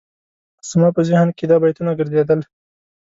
زما په ذهن کې دا بیتونه ګرځېدل.